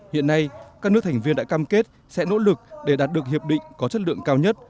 hiện nay các nước thành viên đã cam kết sẽ nỗ lực để đạt được hiệp định có chất lượng cao nhất